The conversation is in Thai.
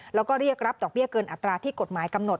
แล้วก็เรียกรับดอกเบี้ยเกินอัตราที่กฎหมายกำหนด